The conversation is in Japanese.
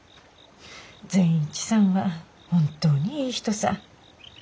善一さんは本当にいい人さ。